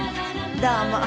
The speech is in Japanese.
どうも。